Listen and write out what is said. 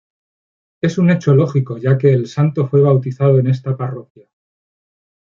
Es un hecho lógico, ya que el santo fue bautizado en esta parroquia.